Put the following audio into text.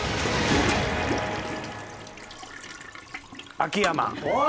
秋山。